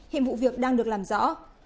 hiệp vụ việc đang được làm rõ